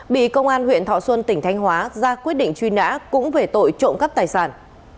bị công an huyện thọ xuân tỉnh thanh hóa ra quyết định truy nã cũng về tội trộm cắp tài sản